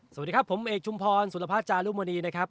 สวัสดีครับผมเอกชุมพรสุรพัฒจารุมณีนะครับ